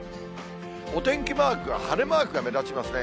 お天気マーク、晴れマークが目立ちますね。